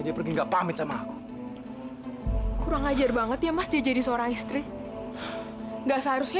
sampai jumpa di video selanjutnya